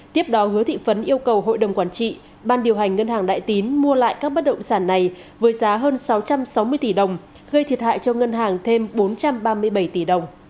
tiếp đó hứa thị phấn yêu cầu hội đồng quản trị ban điều hành ngân hàng đại tín mua lại các bất động sản này với giá hơn sáu trăm sáu mươi tỷ đồng gây thiệt hại cho ngân hàng thêm bốn trăm ba mươi bảy tỷ đồng